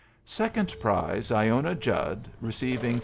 Second prize, Iona Judd, receiving 300.